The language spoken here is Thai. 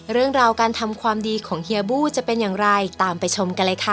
เรื่องราวการทำความดีของเฮียบู้จะเป็นอย่างไรตามไปชมกันเลยค่ะ